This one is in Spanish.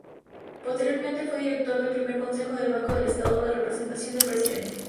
Posteriormente, fue director del primer consejo del Banco del Estado en representación del presidente.